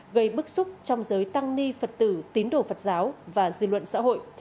gây bức xúc trong giới tăng ni phật tử tín đồ phật giáo và dư luận xã hội